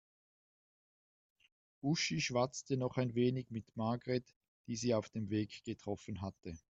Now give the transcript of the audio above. Uschi schwatzte noch ein wenig mit Margret, die sie auf dem Weg getroffen hatte.